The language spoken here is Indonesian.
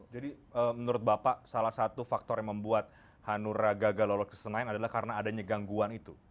jadi menurut bapak salah satu faktor yang membuat hanura gagal lolos kesenaian adalah karena adanya gangguan itu